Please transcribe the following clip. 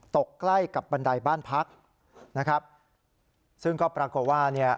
ตกใกล้กับบันไดบ้านพักซึ่งก็ปรากฎว่า